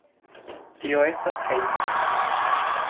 Tio estas hejmo.